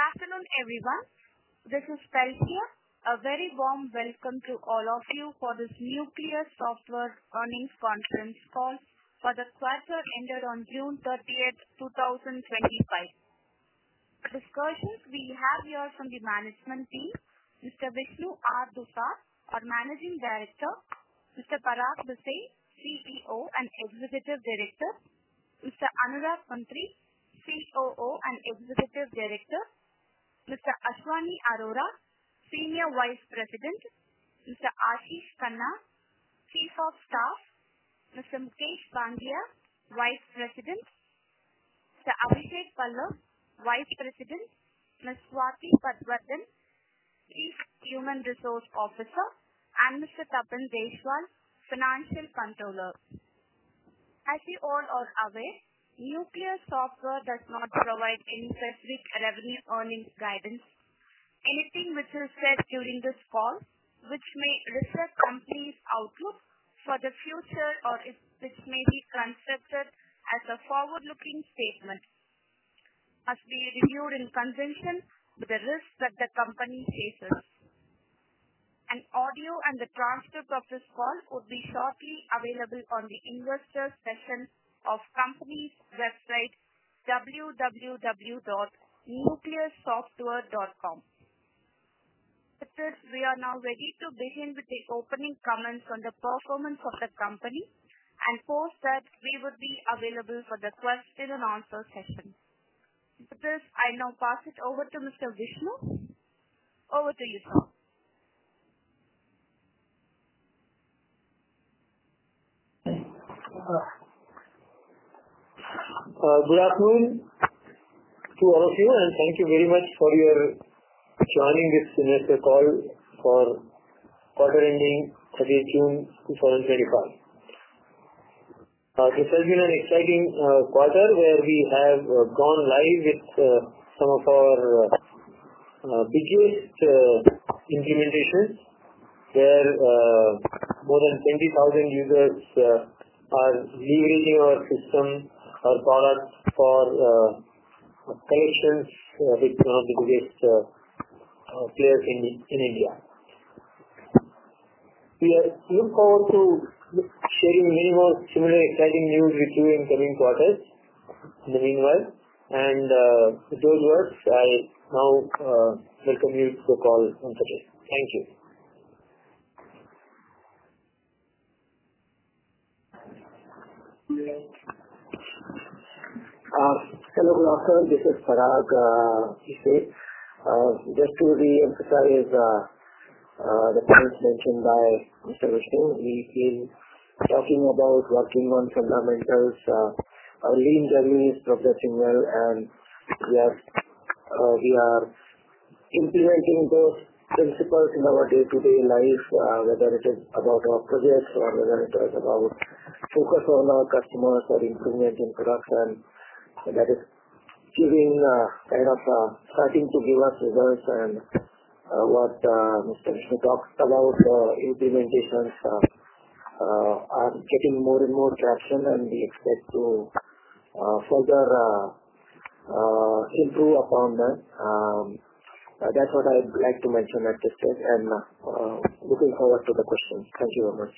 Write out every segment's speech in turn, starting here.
Good afternoon, everyone. This is Pelcia. A very warm welcome to all of you for this Nucleus Software Exports Limited earnings conference call for the quarter ended on June 30, 2025. The discussions we have here are from the management team: Mr. Vishnu R. Dusad, our Managing Director; Mr. Parag Bhise, CEO and Executive Director; Mr. Anurag Mantri, COO and Executive Director; Mr. Ashwani Arora, Senior Vice President; Mr. Ashish Khanna, Chief of Staff; Mukesh Bangia, Vice President; Mr. Abhishek Pallav, Vice President; Ms. Swati Patwardhan, Chief Human Resource Officer; and Mr. Tapan Jayaswal, Financial Controller. As you all are aware, Nucleus Software Exports Limited does not provide any specific revenue or earnings guidance. Anything which is said during this call, which may reflect the company's outlook for the future or if this may be construed as a forward-looking statement, must be reviewed in conjunction with the risks that the company faces. An audio and the transcript of this call would be shortly available on the investor section of the company's website, www.nucleussoftware.com. We are now ready to begin with the opening comments on the performance of the company and after that we would be available for the question and answer session. I now pass it over to Mr. Vishnu. Over to you, sir. Good afternoon to all of you, and thank you very much for joining this investor call for the quarter ending 30th June 2025. It has been an exciting quarter where we have gone live with some of our biggest implementations, where more than 20,000 users are using our system or product for connections with one of the biggest hospitals in India. We have come to very minimal communicating use with you in the coming quarters, in the meanwhile. To do the works, I now welcome you to the call in the present. Thank you. Hello from our side. This is Parag Bhise. Just to reemphasize the things mentioned by Mr. Vishnu R. Dusad, we've been talking about what's going on from the medical side. Our Lean Journey is progressing well, and we are integrating into principles in our day-to-day life, whether it is about our projects or whether it is about focusing on our customers or improvement in production. That is starting to give us results. What Mr. Dusad talked about, the implementations are getting more and more traction, and we expect to further improve upon that. That's what I'd like to mention at this stage, and looking forward to the questions. Thank you very much.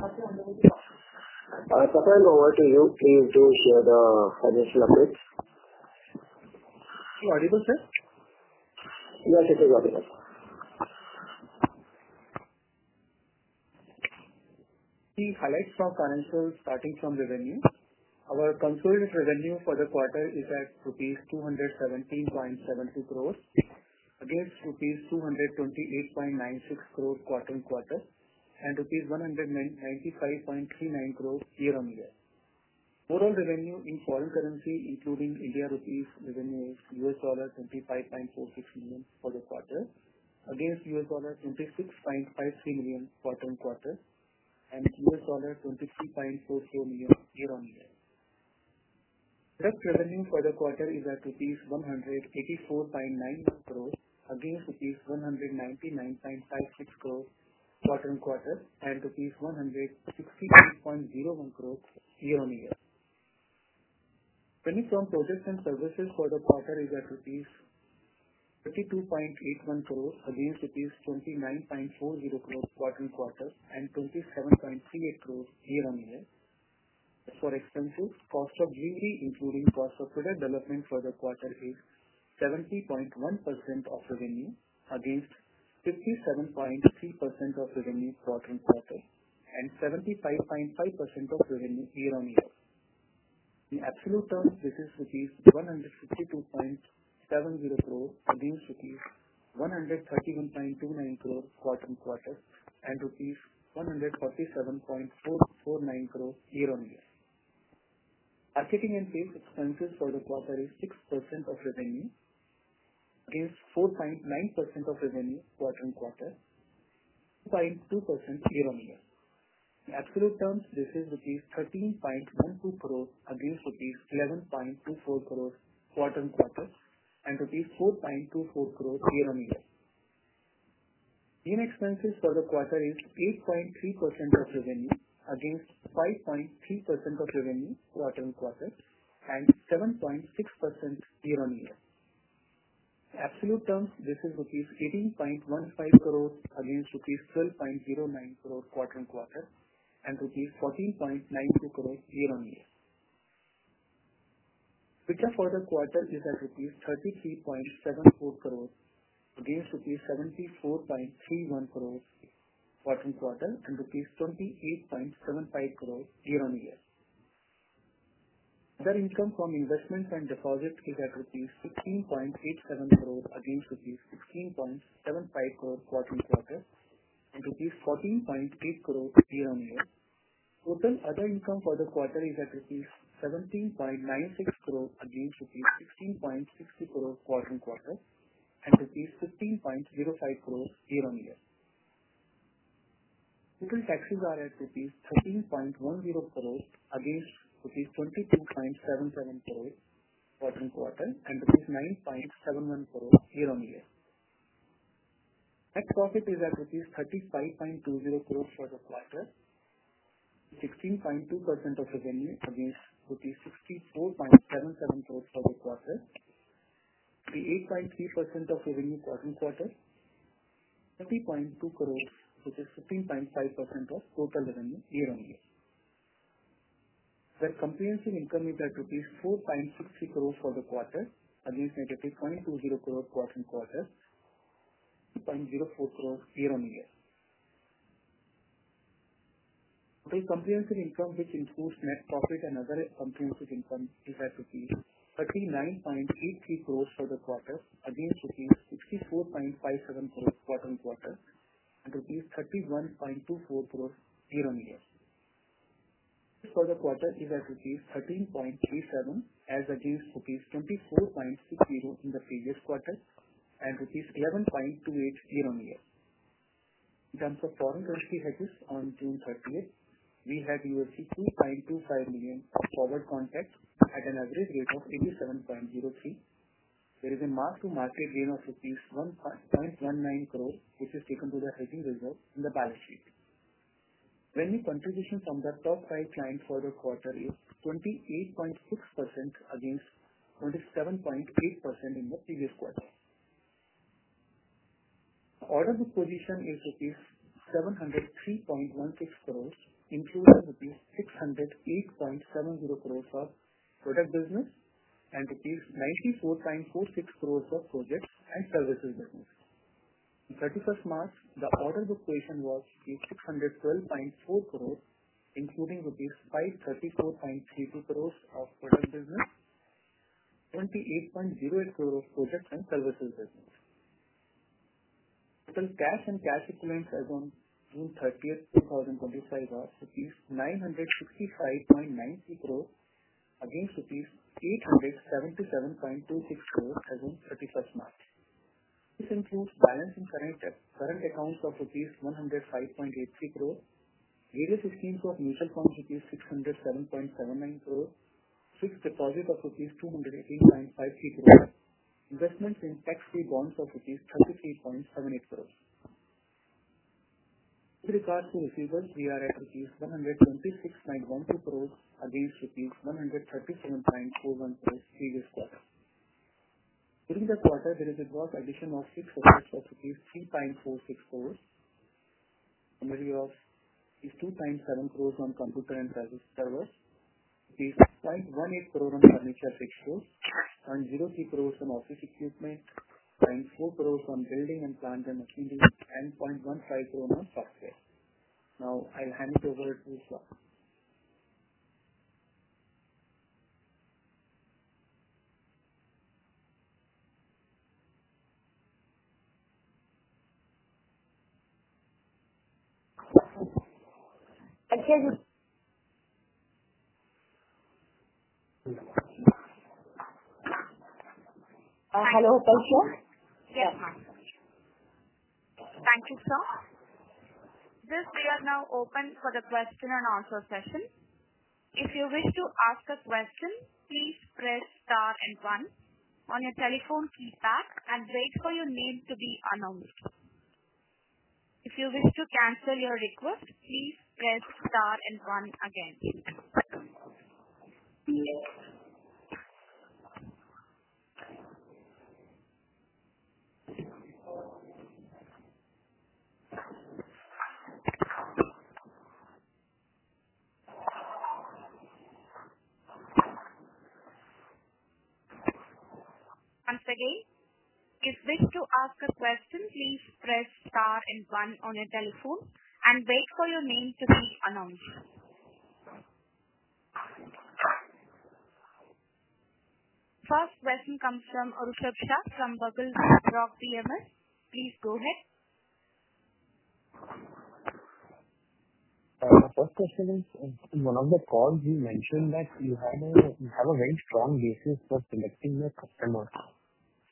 A financial update? Oh, are you going, sir? Yeah, take your job again. Key highlights for financials, starting from revenue. Our consolidated revenue for the quarter is at 217.72 crores, against rupees 228.96 crores quarter on quarter, and rupees 195.39 crores year-on-year. Overall revenue in foreign currency, including Indian rupees, revenue is $25.46 million for the quarter, against $26.53 million quarter on quarter, and $23.44 million year-on-year. Product revenue for the quarter is at INR 184.91 crores, against INR 199.56 crores quarter on quarter, and INR 163.01 crores year-on-year. Revenue from projects and services for the quarter is at rupees 52.81 crores, against rupees 29.40 crores quarter on quarter, and 27.38 crores year-on-year. For external cost of GDP, including cost of product development for the quarter, is 70.1% of revenue, against 57.3% of revenue quarter on quarter, and 75.5% of revenue year-on-year. In absolute terms, this is rupees 162.70 crores, against rupees 131.29 crores quarter on quarter, and rupees 147.45 crores year-on-year. Marketing and sales expenses for the quarter are 6% of revenue, against 4.9% of revenue quarter on quarter, and 2.2% year-on-year. In absolute terms, this is rupees 13.12 crores, against rupees 11.24 crores quarter on quarter, and rupees 4.24 crores year-on-year. GM expenses for the quarter are 8.3% of revenue, against 5.3% of revenue quarter on quarter, and 7.6% year-on-year. In absolute terms, this is 18.15 crores rupees, against 12.09 crores rupees quarter on quarter, and INR 14.92 crores year-on-year. The budget for the quarter is at 33.74 crores rupees, against 74.31 crores rupees quarter on quarter, and 28.75 crores rupees year-on-year. Other income from investment and deposits is at rupees 16.87 crores, against rupees 16.75 crores quarter on quarter, and rupees 14.80 crores year-on-year. Total other income for the quarter is at rupees 17.96 crores, against rupees 16.60 crores quarter on quarter, and rupees 15.05 crores year-on-year. Total taxes are at rupees 14.10 crores, against rupees 22.77 crores quarter on quarter, and rupees 9.71 crores year-on-year. Net profit is at rupees 35.20 crores for the quarter, 16.2% of revenue, against rupees 64.77 crores for the quarter, 28.3% of revenue quarter on quarter, 30.20 crores, which is 15.5% of total revenue year-on-year. The comprehensive income is at rupees 4.60 crores for the quarter, against negative rupees 0.20 crores quarter on quarter, INR 2.04 crores year-on-year. Total comprehensive income, which includes net profit and other comprehensive income, is at INR INR 39.83 crores for the quarter, against INR 64.57 crores quarter on quarter, and INR 31.24 crores year-on-year. The total for the quarter is at INR 13.37 crores, as against INR 24.60 crores in the previous quarter, and INR 11.28 crores year-on-year. In terms of foreign currency headings on June 30th, we had $3.25 million forward contracts at an average rate of 87.03. There is a massive market gain of 1.19 crores, which is taken to the heading reserve in the balance sheet. Revenue contribution from the top five lines for the quarter is 28.6% against 27.8% in the previous quarter. Order book position is INR 703.16 crores, including INR 608.70 crores for product business, and INR 94.46 crores for projects and services business. On March 31st, the order book position was 612.4 crores, including rupees 534.32 crores of product business, 28.08 crores of projects and services business. Total cash and cash equivalents as on June 30th, 2025 was rupees 965.90 crores, against rupees 877.26 crores as on March 31st. This includes balance and current accounts of rupees 105.83 crores, various schemes of mutual funds of rupees 607.49 crores, fixed deposit of rupees 218.53 crores, investments in tax-free bonds of rupees 33.78 crores. With regard to receivables, we are at rupees 126.12 crores, against rupees 137.41 crores previous quarter. During the quarter, there is a gross addition of C4s of rupees 3.46 crores, annually of 2.7 crores on computer and service servers, 1.8 crores on furniture and fixtures, and 0.3 crores on office equipment, and 4 crores on building and plant and machinery, and 0.15 crores on software. Now, I'll hand it over to Ms. Sharma. Hello, Pratya. Yes. Thank you, sir. Yes, we are now open for the question and answer session. If you wish to ask a question, please press * and 1 on your telephone and wait for your name to be announced. If you wish to cancel your request, please press * and 1 again. If you wish to ask a question, please press * and 1 on your telephone and wait for your name to be announced. First question comes from Arupesh Shah from Berkeley Rock DMS. Please go ahead. First question is, in one of the calls, you mentioned that you have a very strong basis for selecting the customer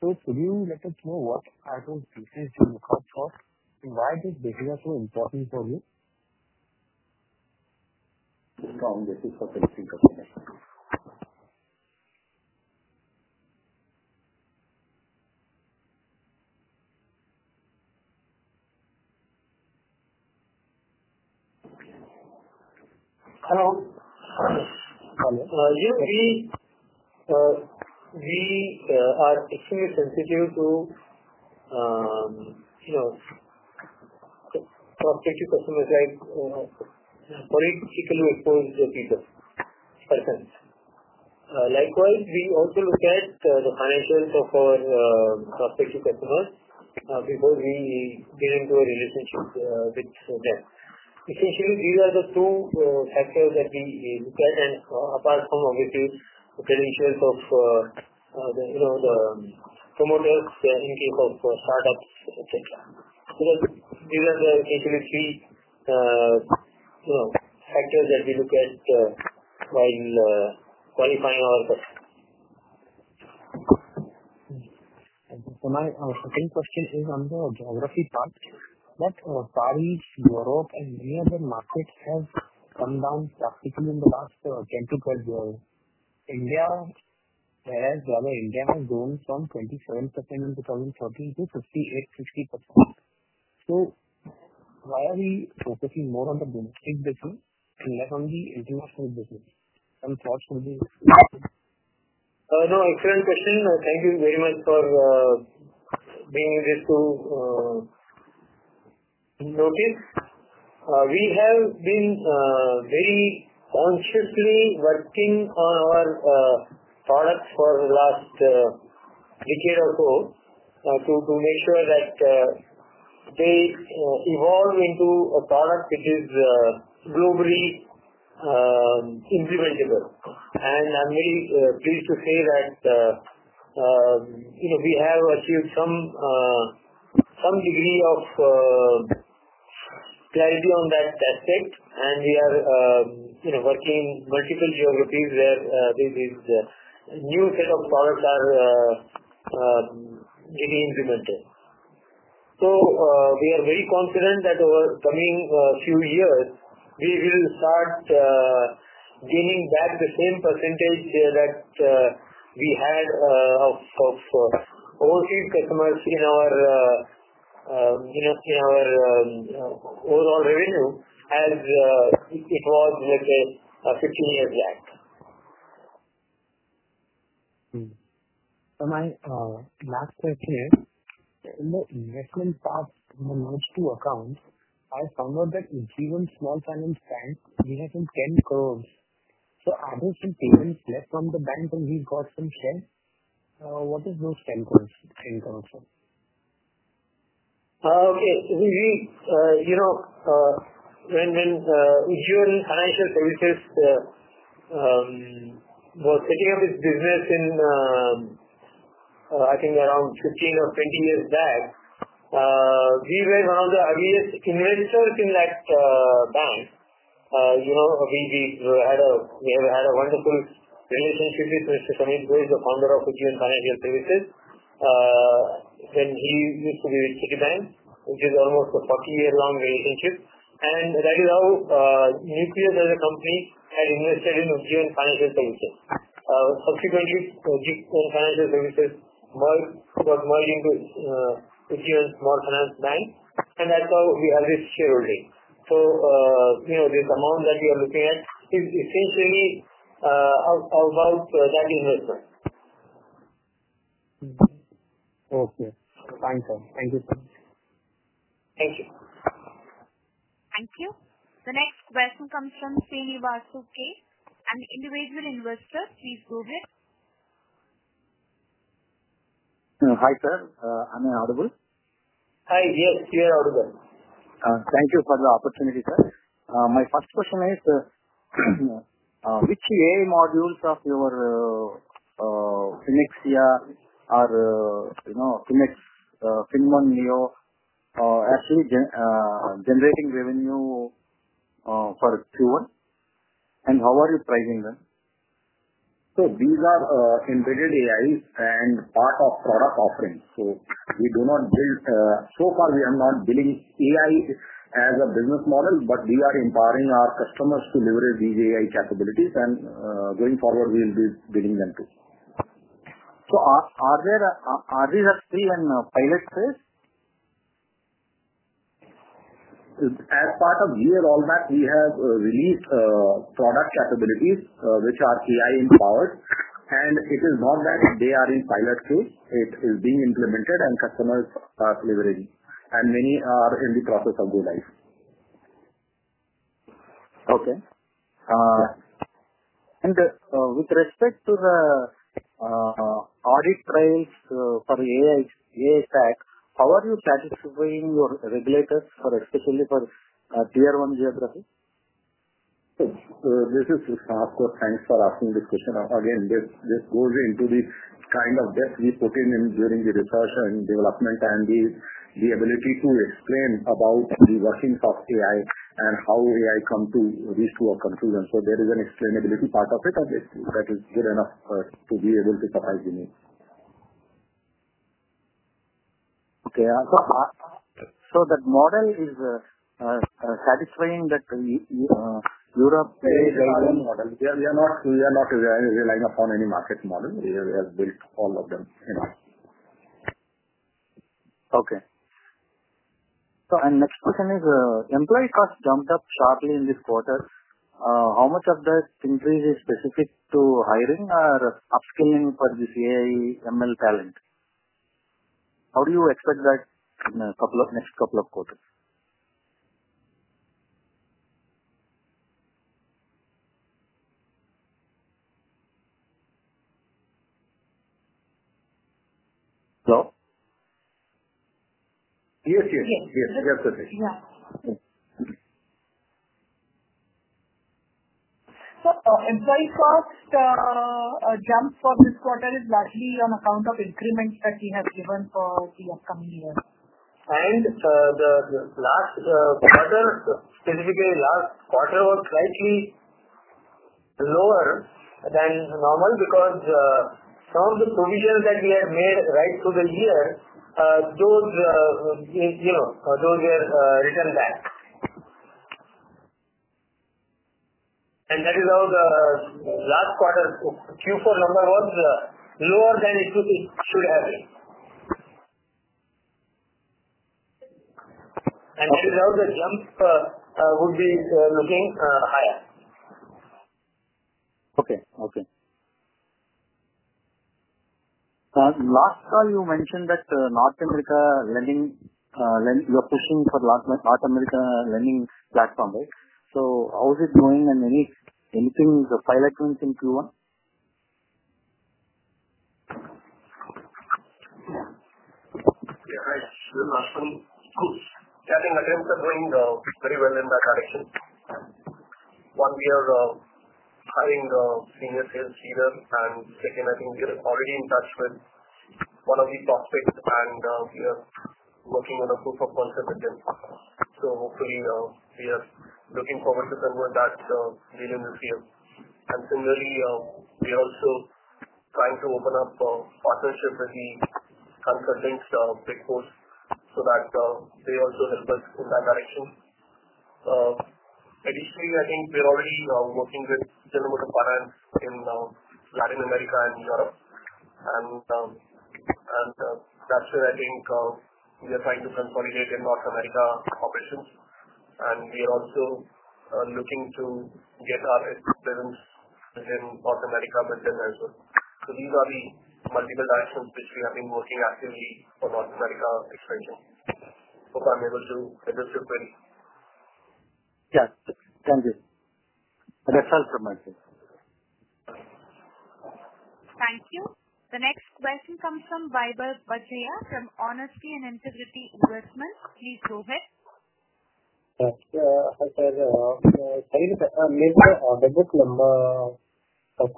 account. First, could you let us know what are those bases in the card shop and why these bases are so important for you? We are extremely sensitive to cross-country customers like products that we sell to home users. Likewise, we also look at the financials of our cross-country customers before we go really deep into the business. Essentially, these are the two factors that we look at, and apart from obviously the potential for the promoter's certainty for startups, etc. These are the interesting factors that we look at while quantifying our investment. For my second question, under a geography touch, what are our Paris, Bureau, and European markets have come down drastically in the last 10-12 years? India, whereas rather India has grown from 27% in 2014 to 58%. Why are we focusing more on the domestic business and less on the international business? I'm sorry to be asked. No, excellent question. Thank you very much for bringing this to notice. We have been very consciously working on our products for the last decade or so to make sure that they evolve into a product that is globally intransitable. I'm really pleased to say that, you know, we have achieved some degree of clarity on that aspect. We are, you know, working in multiple geographies where this is a new set of products that are getting implemented. We are very confident that over the coming few years, we will start gaining back the same % that we had of overseas customers in our overall revenue as if it was, let's say, a 15-year gap. My last question is, in the investment parts in the most two accounts, I found out that in Ujjivan Small Finance Bank, we have some 10 crore. Are there some payments left from the bank that we've got some shares? What is those 10 crore? 10 crore? Okay. You know, when you're in financial services, the securities business in, I think, around 15 or 20 years back, we were one of the earliest investors in that bank. We had a wonderful relationship with Mr. Samit Ghosh, the founder of Ujjivan Small Finance Bank Limited. He used to be with the bank, which is almost a 40-year-long relationship. That is how Nucleus Software Exports Limited as a company had invested in Ujjivan Small Finance Bank. Subsequently, Ujjivan Small Finance Bank Limited merged into Ujjivan Small Finance Bank. That's how we have this shareholding. This amount that you are looking at is essentially about that investment. Okay. Thank you. Thank you, Pratya. Thank you. Thank you. The next question comes from Srinivas Ruki, an individual investor. Please go ahead. Hi, sir. Am I audible? Hi. Yes, you are audible. Thank you for the opportunity, sir. My first question is, which AI modules of your FinnAxia or, you know, FinnOne Neo are actually generating revenue for Q1? How are you pricing them? These are embedded AI modules and part of product offerings. We do not build, so far, we have not built AI as a business model, but we are empowering our customers to leverage these AI capabilities. Going forward, we will be building them too. Are these active in pilot phase? As part of G1 all that, we have released product capabilities, which are AI empowered. It is not that they are in pilot phase. It is being implemented and customers are leveraging it. Many are in the process of go-live. Okay. With respect to the audit trails for the AI stack, how are you satisfying your regulators, particularly for Tier 1 geography? Okay. This is, of course, thanks for asking this question. This goes into the kind of depth we put in during the research and development and the ability to explain about the workings of AI and how AI comes to these two conclusions. There is an explainability part of it, and that is good enough to be able to provide you needs. Okay. The model is satisfying that Europe is a well-known model. We are not relying upon any market model. We have based all of them in our... Okay. The next question is, employee costs jumped up sharply in this quarter. How much of that increase is specific to hiring or upskilling for this AI ML talent? How do you expect that in the next couple of quarters? Hello? Yes, yes. Yes. That's okay. Yeah. Employee cost jumps for this quarter is largely on account of increments as seen as Ujjivan for the upcoming year. The last quarter, specifically last quarter, was slightly lower than normal because some of the provisions that we had made right through the year, those were written back. That is how the last quarter Q4 number was lower than Q3, and that is how the jumps would be looking higher. Okay. Okay. Last call, you mentioned that North America lending, you're testing for North America lending platform, right? How is it going? Anything is a pilot run since Q1? Yeah, I think we're doing pretty well in that direction. What we are trying to invest in is G1 and FinnAxia. I think we are already in touch with one of the top picks, and we are working on a proof-of-concept with them. Hopefully, we are looking forward to cover that later this year. Absolutely, we are also trying to open up partnerships with the uncontented stakeholders so that they also help us in that direction. Additionally, I think we're already working with General Motors Financial in Latin America and Europe. That's where I think we are trying to consolidate in North America operations. We are also looking to get our representatives in North America with them as well. These are the multiple types of things we have been working at for North America, especially. Hope I'm able to help you with that. Thank you. That's all from my side. Thank you. The next question comes from Vaibhav Badjatya from Honesty and Integrity Investments. Please go ahead. Thank you. Hi, sir. I need to make an order book number for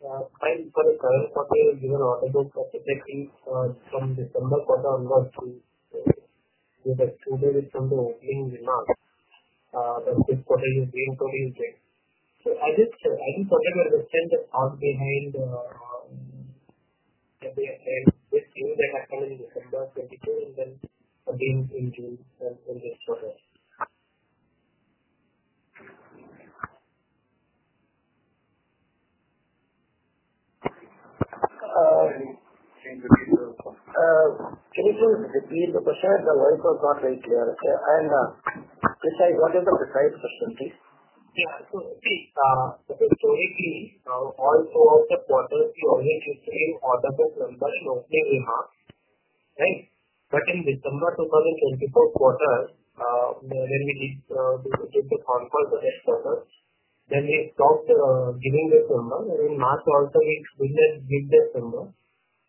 this quarter. we stopped giving this number. Last quarter, we did this number.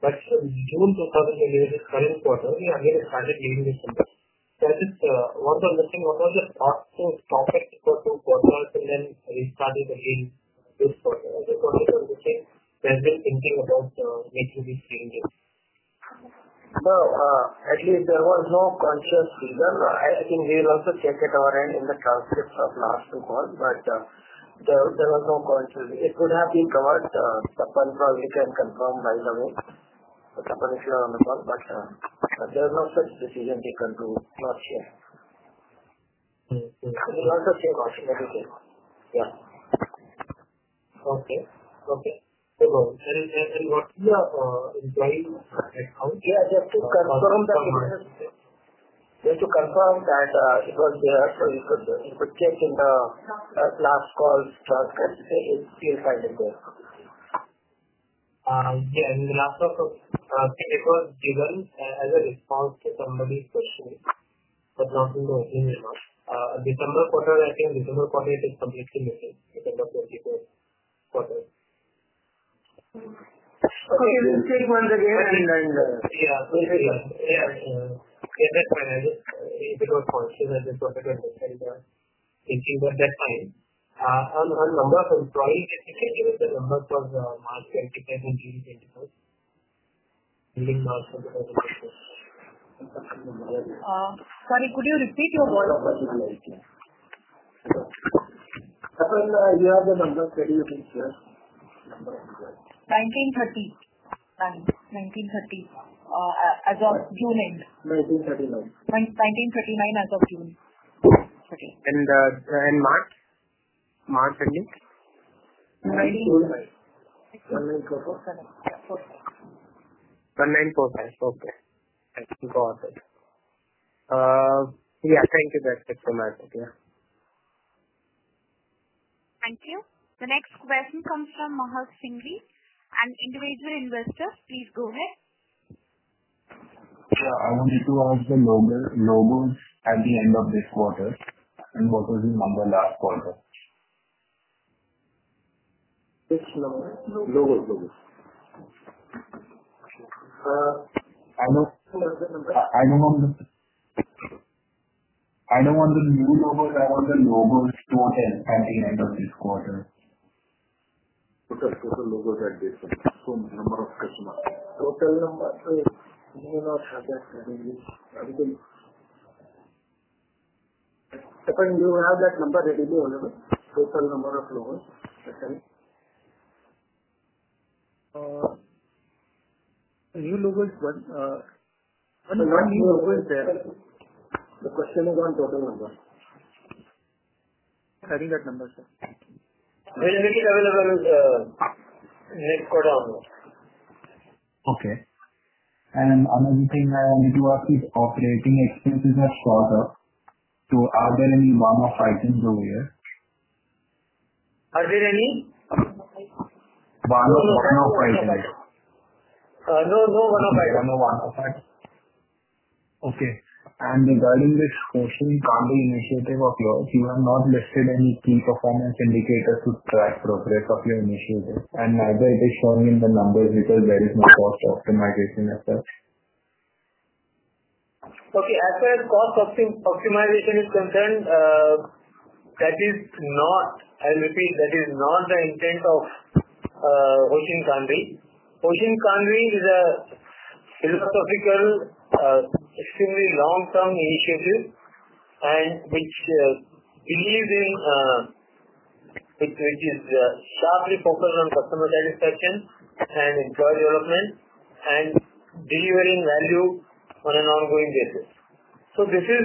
For June 2025 quarter, we are getting started giving this number. That is one of the missing numbers of the first two quarters, and we started again. It's for all the quarters the same that we've been thinking about making these changes. Actually, there was no conscious reason. I think we also checked it out in the transcripts of the last two calls, but there was no conscious reason. It could have been covered. Tapan, if you can confirm right away. Tapan is here on the call. It was the same question every day. Yeah. Okay. Okay. We are in time. Just to confirm that it was there, you could check in the last call's transcripts. It is still standing there. Yeah. In last quarter's transcript, it was given as a response to somebody's question, but not in the opening remark. December quarter, I think the usual quantity is completely missing in the fourth quarter. Okay. You mean 31? Yeah, in line with us. Yeah, in 31. Yeah. Is it a critical point? Is it a critical decision? If you were that kind, I'll run a number from 12 to the number from the March 3rd-10th in 2025. Sorry, could you repeat your word? Tapan, you have the number 30 this year. 1930. 1930 as of June end. 1939. 1939 as of June. Okay. March ending? I think. 1945. 1945. Okay, that's important. Yeah, thank you for that. Thank you. The next question comes from Maharsh Singhi an individual investor, please go ahead. I wanted to ask the logos at the end of this quarter. The logos in number last quarter. Which logo? New logos. I know on the new logo, there was a logo that was at the end of this quarter. I think you have that number ready there. The new logo is one. The one logo is there. The question is on total number. I think that number is there. It is available in the next quarter as well. Okay. Another thing I wanted to ask is operating expenses at startup. Are there any one-off items over here? Are there any? One-off items. No, no one-off items. No one-off items. Okay. And regarding this person, from the initiative of yours, you have not listed any key performance indicators to track progress of your initiative. Neither is this one in the numbers because there is no cost optimization effort. Okay. As far as cost optimization is concerned, that is not, I repeat, that is not the intent of Ocean Foundry. Ocean Foundry is a philosophical, extremely long-term initiative, which is strictly focused on customer satisfaction and employee development and delivering value on an ongoing basis. This is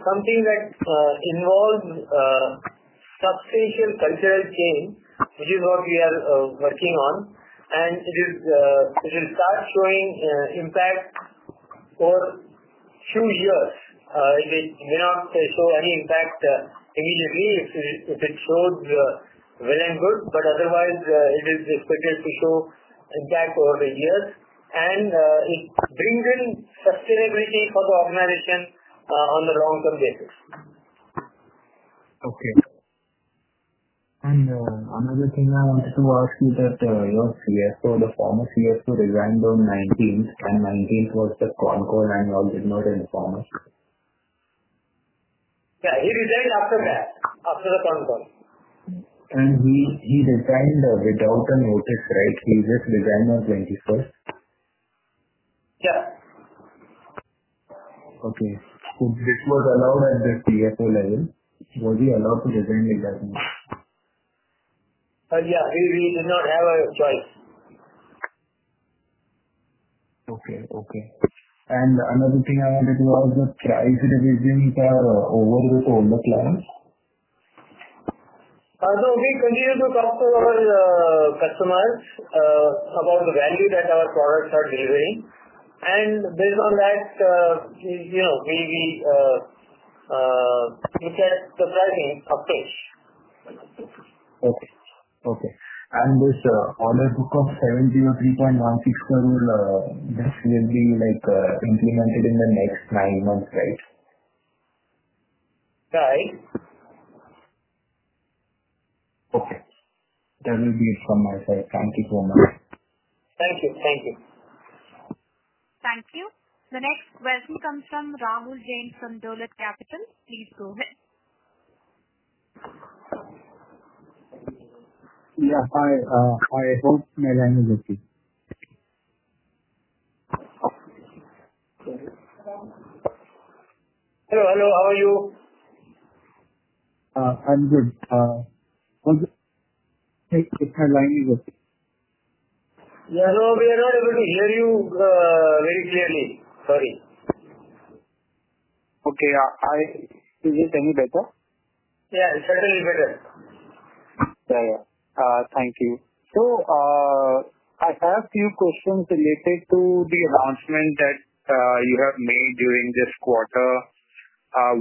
something that involves substantial cultural change, which is what we are working on. It will start showing impact for a few years. It may not show any impact immediately; if it shows, very good, but otherwise, it is expected to show impact over the years. It brings in sustainability for the organization on a long-term basis. Okay. Another thing I wanted to ask you is that last year the former CSO resigned on the 19th, and the 19th was the con call and you all did not inform us. Yeah, he resigned after that, after the call. He resigned without the notice. Okay. This was allowed at the PFO level. Was he allowed to resign at that point? Yeah, he did not have a choice. Okay. Another thing I wanted to ask was, prior to the resign, did you have over with all the clients? No, we continue to talk to our customers about the value that our products are delivering. Based on that, you know, we look at the pricing of those. Okay. Okay. This order book of 703.16 crore, this will be implemented in the next nine months, right? Right. Okay, that will be it from our side. Thank you so much. Thank you. Thank you. Thank you. The next question comes from Rahul Jain from Dola Capital. Please go ahead. Hi. I hope my line is okay. I'm good if my line is okay. Yeah, no, we are not able to hear you very clearly. Sorry. Okay. Can you hear me better? Yeah, it's certainly better. Yeah, yeah. Thank you. I have a few questions related to the announcement that you have made during this quarter.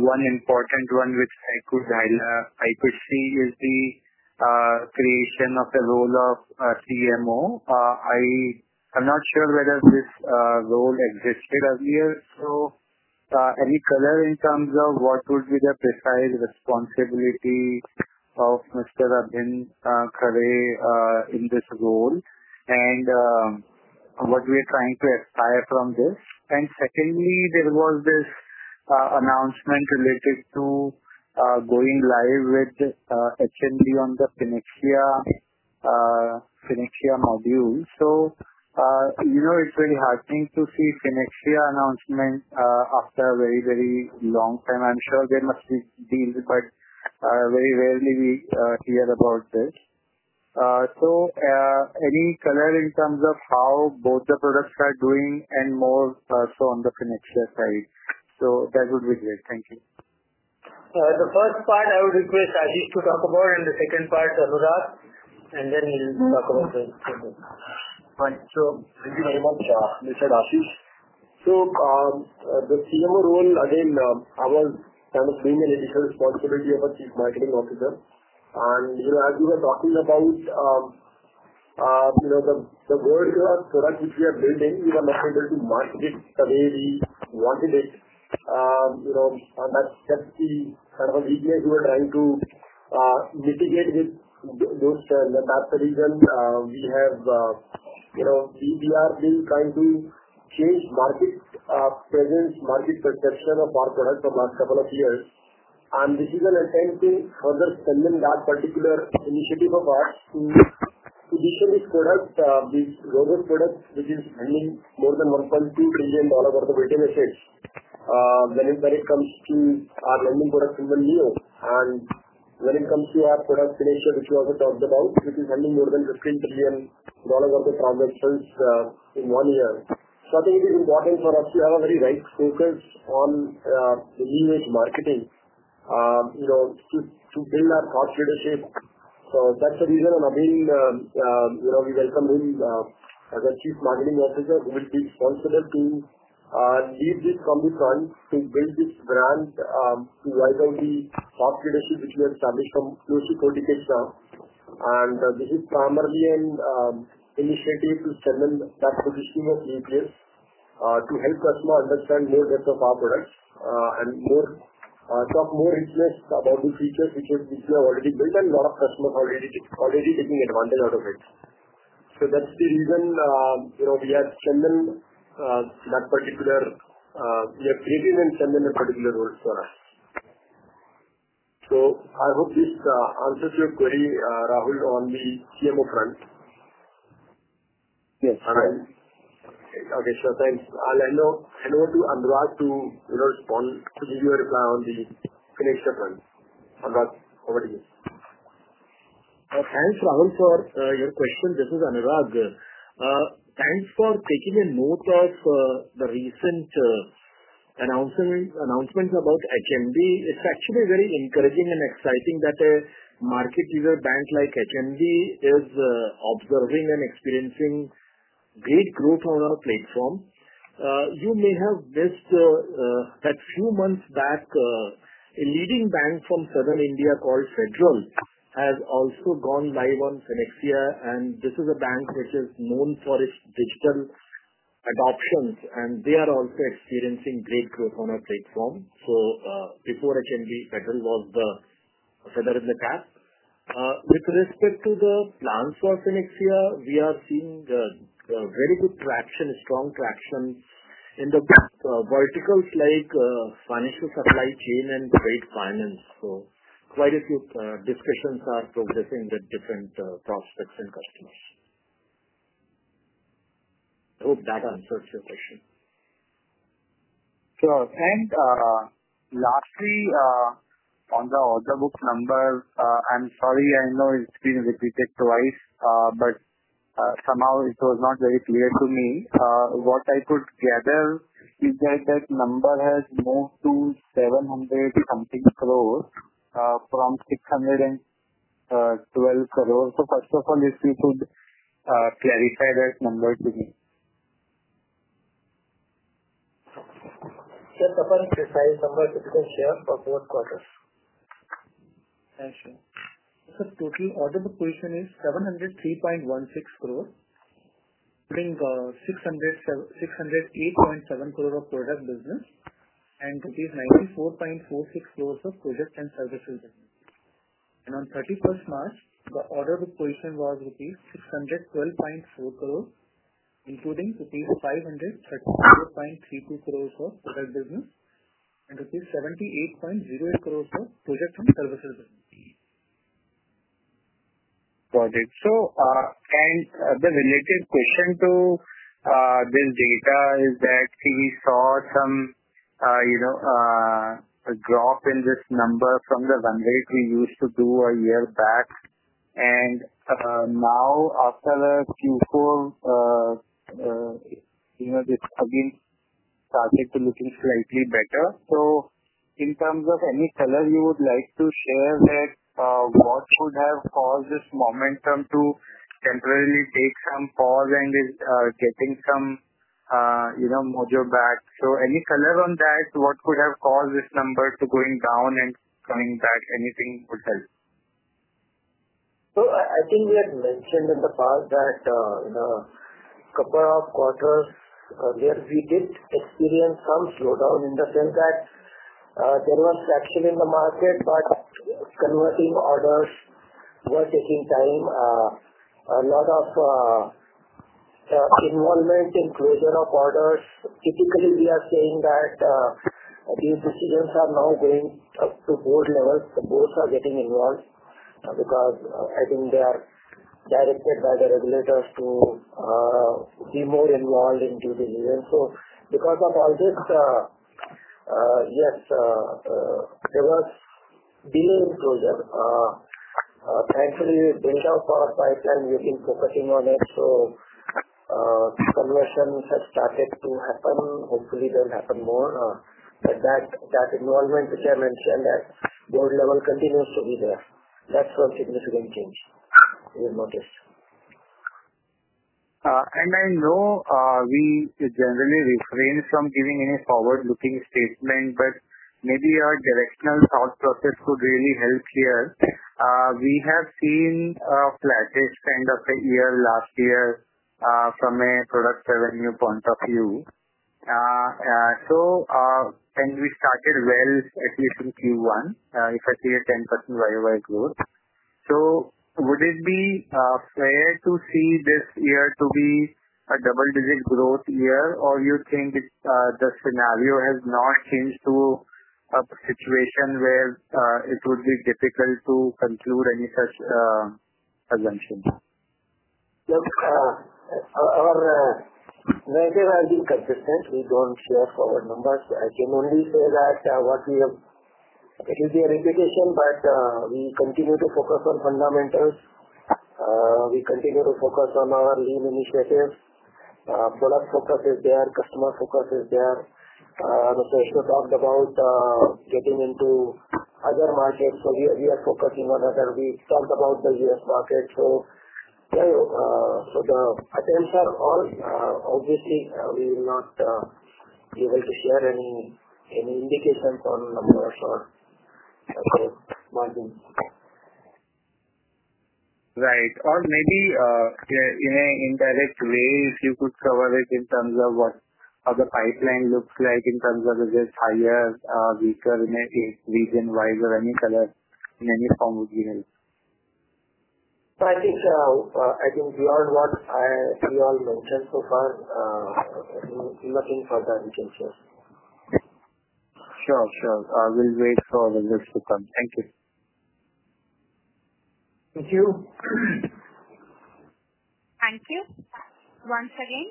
One important one which I could see is the creation of the role of CMO. I am not sure whether this role existed earlier. Any further in terms of what would be the precise responsibility of Mr. Arjun Kare in this role and what we're trying to aspire from this. + Secondly, there was this announcement related to going live with this SMD on the FinnAxia module. It is very heartening to see the FinnAxia announcement after a very, very long time. I'm sure they must be dealing quite, very rarely we hear about this. Any further in terms of how both the products are doing and more so on the FinnAxia side. That would be great. Thank you. The first part I would request Ashish to talk about, and the second part, Arjun, and then we'll talk about the third part. Right. Thank you very much, this is Ashish. The CMO role, again, I have a primary responsibility of a Chief Marketing Officer. You were talking about the world of product which we are building. We were not able to market the way we wanted it. Some of the legal issues we were trying to mitigate with those, and that's the reason we are really trying to change markets, presence, market perception of our product for the last couple of years. This is an assigned thing for the spend in that particular initiative of us to do some of these products, these robust products, which is handling more than $1.2 trillion worth of automation when it comes to our lending products to the EO. When it comes to our product financial issues of the top of the bound, which is handling more than $15 trillion worth of investments in one year. I think it is important for us to have a very right focus on delineate marketing to build our core traders. That's the reason. I mean, we welcome him as a Chief Marketing Officer who will be responsible to and lead it from the front to build this brand, to write out the core traders which we are establishing from close to 40 days now. This is primarily an initiative to strengthen that position of APS, to help customers understand the new depth of our products, and talk more richness about the features which we are already building and a lot of customers are already taking advantage out of it. That's the reason we are strengthening that particular, we are creating and strengthening a particular role for us. I hope this answers your query, Rahul, on the CMO front. Yes. Okay, sir. Thanks. I'll hand over to Anurag to, you know, respond to give you a reply on the FinnAxia front. Thanks, Rahul, for your question. This is Anurag. Thanks for taking a note of the recent announcements about HMD. It's actually very encouraging and exciting that a market leader bank like HMD is observing and experiencing great growth on our platform. You may have missed that a few months back, a leading bank from Southern India called Federal Bank has also gone live on FinnAxia. This is a bank which is known for its digital adoptions, and they are also experiencing great growth on our platform. Before HMD, Federal Bank was the pillar in the past. With respect to the plans for FinnAxia, we are seeing very good traction, strong traction in the vertical, like financial supply chain and trade finance. Quite a few discussions are progressing with different prospects and customers. I hope that answers your question. Sure. Lastly, on the order book number, I'm sorry, I know it's been repeated twice, but somehow it was not very clear to me. What I could gather is that that number has moved to 700-something crores from 612 crores. First of all, if you could clarify that number to me. Yes, Tapan, it's the same number 16 here for both quarters. The total order book position is 703.16 crores, including 608.7 crores of product business, which is 94.46 crores of projects and services business. On 31st March, the order book position was rupees 612.4 crores, including rupees 532.32 crores for product business, and rupees 78.08 crores for projects and services business. Got it. The related question to this data is that we saw some, you know, a drop in this number from the one rate we used to do a year back. Now after the Q4, you know, it's again starting to look slightly better. In terms of any color you would like to share, what would have caused this momentum to temporarily take some pause and is getting some, you know, mojo back? Any color on that, what could have caused this number to go down and come back? Anything would help. I think we had mentioned in the past that, in a couple of quarters earlier, we did experience some slowdown in the sense that there was traction in the market, but converting orders was taking time. A lot of involvement in closure of orders. Typically, we are seeing that these decisions have now gone up to board levels. Boards are getting involved, because I think they are directed by the regulators to be more involved in due diligence. Because of all this, yes, there was a delay in closure. Thankfully, the danger of our lifetime we've been focusing on it. Conversions have started to happen. Hopefully, they'll happen more. That involvement, which I mentioned, that board level continues to be there. That's how significant change. I know we generally refrain from giving any forward-looking statements, but maybe our directional thought process could really help here. We have seen a flat kind of a year last year from a product revenue point of view, and we started well at least in Q1 if I see a 10% YoY growth. Would it be fair to see this year to be a double-digit growth year, or do you think the scenario has not changed to a situation where it would be difficult to conclude any such assumption? Yes. When I say we'll be consistent, we don't share forward numbers. I can only say that what we have is very difficult, but we continue to focus on fundamentals. We continue to focus on our lean initiatives. Product focus is there. Customer focus is there. We also talked about getting into other markets. We are focusing on that. We talked about the U.S. market. For the attendees, obviously, we will not give or share any. Right. Or maybe, in an indirect way, if you could cover it in terms of what our pipeline looks like in terms of is it higher, weaker in any region-wise or any color, in any of our materials. I think you are what we all noticed so far, nothing further in the future. Sure, sure. We'll wait for our members to come. Thank you. Thank you. Thank you. Once again,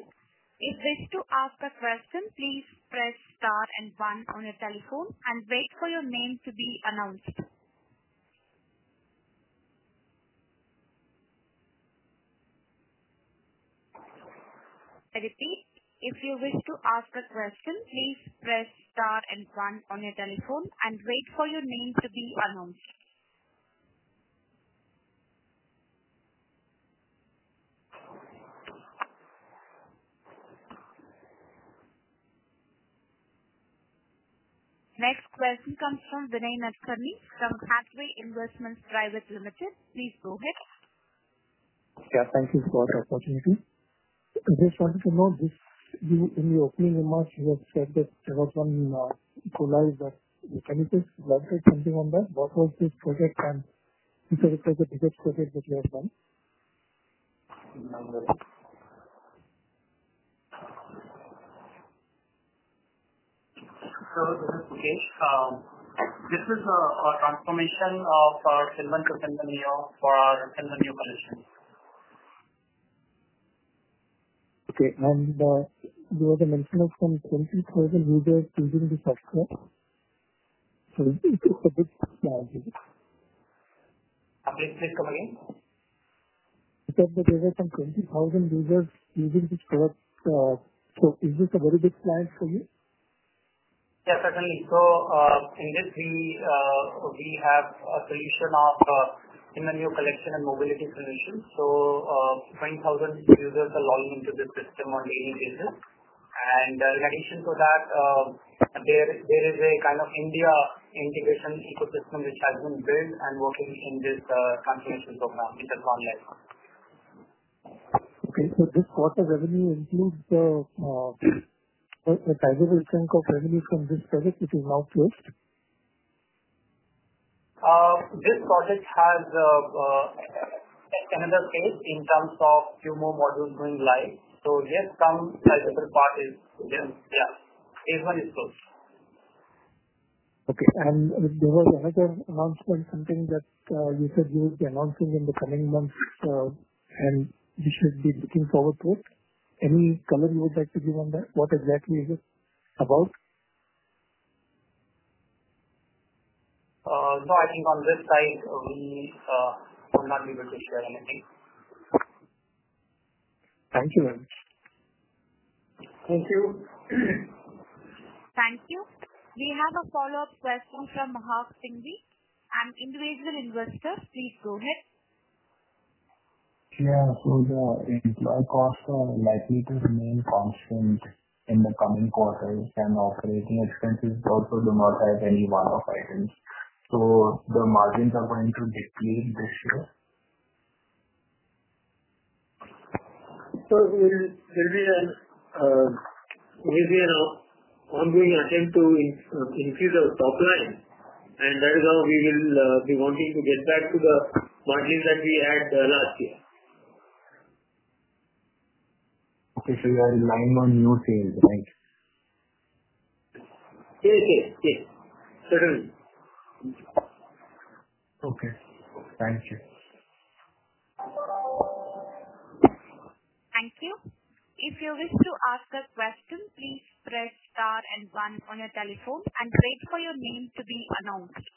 if you wish to ask a question, please press star and one on your telephone and wait for your name to be announced.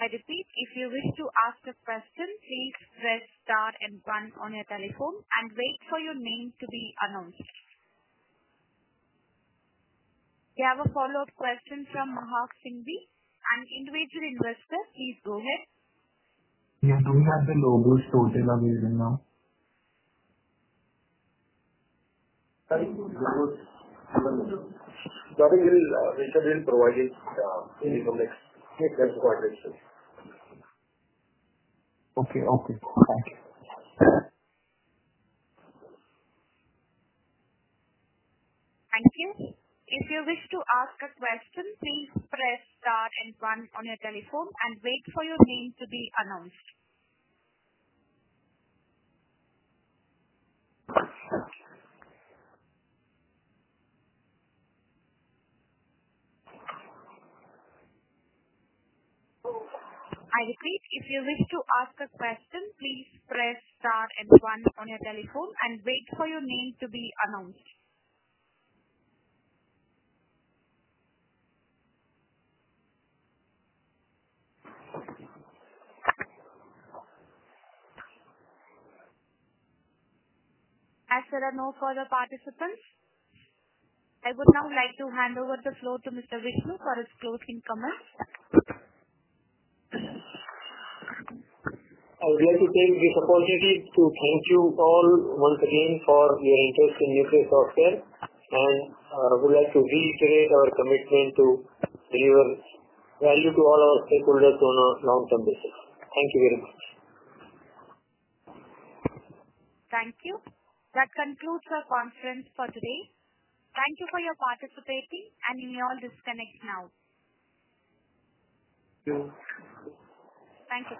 I repeat, if you wish to ask a question, please press star and one on your telephone and wait for your name to be announced. If you wish to ask a question, please press * and 1 on your telephone and wait for your name to be announced. I repeat, if you wish to ask a question, please press * and 1 on your telephone and wait for your name to be announced. We have a follow-up question from Maharsh Singhi, an individual investor. Please go ahead. Yeah, we have the logo shown in the recent quarters. Quarters. Okay. Okay. Thank you. If you wish to ask a question, please press * and 1 on your telephone and wait for your name to be announced. I repeat, if you wish to ask a question, please press * and 1 on your telephone and wait for your name to be announced. As there are no further participants, I would now like to hand over the floor to Mr. Vishnu for his closing comments. I would like to thank Mr. Ashwani Arora to thank you all once again for your interest in Nucleus Software. I would like to reiterate our commitment to deliver value to all our stakeholders on a long-term basis. Thank you very much. Thank you. That concludes our conference for today. Thank you for your participating, and we all disconnect now. Thank you. Thank you.